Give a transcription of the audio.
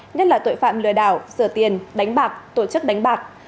nhất là tội phạm lừa đảo rửa tiền đánh bạc tổ chức đánh bạc